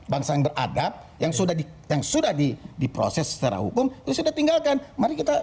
bangsa yang beradab yang sudah di yang sudah di diproses secara hukum sudah tinggalkan mari kita